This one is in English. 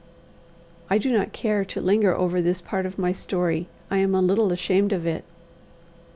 I do not care to linger over this part of my story. I am a little ashamed of it.